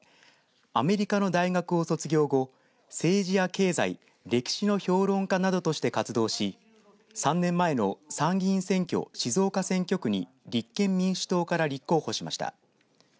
アメリカの大学を卒業後政治や経済歴史の評論家などとして活動し３年前の参議院選挙静岡選挙区に立憲民主党から立候補しました。